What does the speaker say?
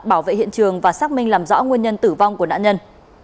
bảo vệ hiện trường và xác minh làm rõ nguyên nhân tử vong của nạn nhân